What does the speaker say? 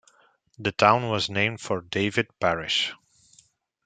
The town was named for David Parish.